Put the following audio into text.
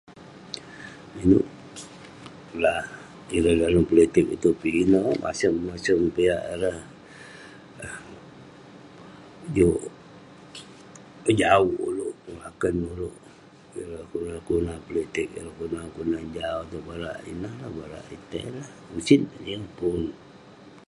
Inouk la.. ireh dalem politik itouk, pinek masem masem piak ireh. juk ngejawuk ulouk, juk ngelakern ulouk..ireh kelunan kelunan politik, ireh kelunan kelunan jau itouk, barak ineh lah..barak..etei lah..usit..yeng pun..